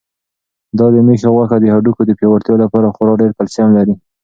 دا د مېښې غوښه د هډوکو د پیاوړتیا لپاره خورا ډېر کلسیم لري.